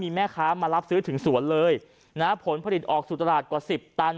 แม่ค้ามารับซื้อถึงสวนเลยนะผลผลิตออกสู่ตลาดกว่าสิบตัน